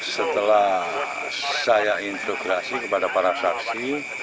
setelah saya intrograsi kepada para saksi